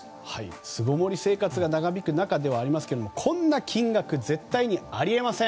巣ごもり生活が長引く中ではありますがこんな金額絶対にあり得ません。